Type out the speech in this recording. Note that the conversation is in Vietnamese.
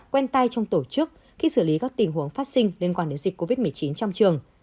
quen tai trong tổ chức khi xử lý các tình huống phát sinh liên quan đến dịch covid một mươi chín trong trường